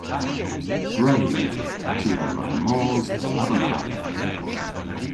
Gwredh! Ty a wra mos dhe Aberfala.